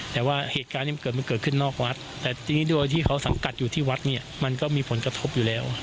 แต่ว่าเหตุการณ์ที่มันเกิดมันเกิดขึ้นนอกวัดแต่ทีนี้โดยที่เขาสังกัดอยู่ที่วัดเนี่ยมันก็มีผลกระทบอยู่แล้ว